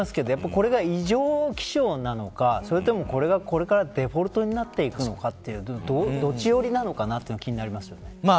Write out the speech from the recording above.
これが異常気象なのかそれともこれがデフォルトになっていくのかどっち寄りなのかは気になりますね。